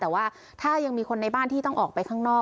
แต่ว่าถ้ายังมีคนในบ้านที่ต้องออกไปข้างนอก